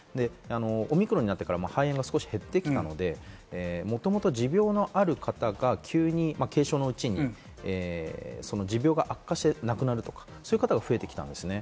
オミクロンは肺炎が減ってきたので、もともと持病のある方が急に軽症のうちに持病が悪化して亡くなるとか、そういう方が増えてきたんですね。